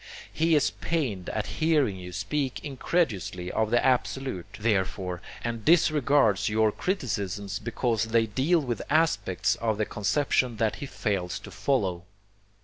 He is pained at hearing you speak incredulously of the Absolute, therefore, and disregards your criticisms because they deal with aspects of the conception that he fails to follow.